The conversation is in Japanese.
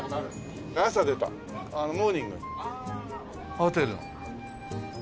ホテルの。